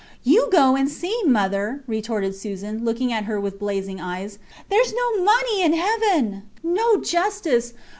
You go and see, mother, retorted Susan, looking at her with blazing eyes. Theres no money in heaven no justice.